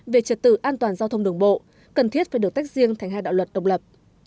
về trật tự an toàn giao thông đường bộ cần thiết phải được tách riêng thành hai đạo luật độc lập